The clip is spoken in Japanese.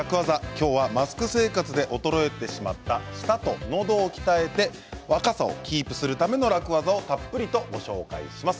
今日はマスク生活で衰えてしまった舌とのどを鍛えて若さをキープするための楽ワザをたっぷりとご紹介します。